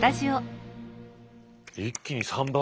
一気に３倍！